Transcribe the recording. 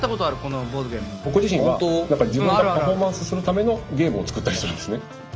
僕自身は何か自分がパフォーマンスするためのゲームを作ったりするんですね。